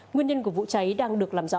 nguyên nhân của vụ cháy đang được làm rõ